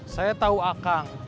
saya tau akang